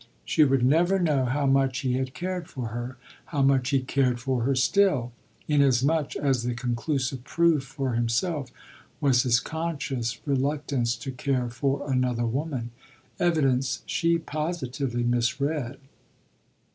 She would never know how much he had cared for her, how much he cared for her still; inasmuch as the conclusive proof for himself was his conscious reluctance to care for another woman evidence she positively misread.